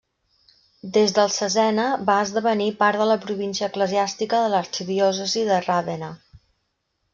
Des del Cesena va esdevenir part de la província eclesiàstica de l'arxidiòcesi de Ravenna.